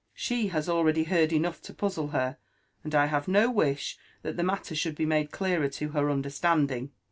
She has already heard enough to puzzle her ; and I have no wish that the matter should be made clearer to her understanding.''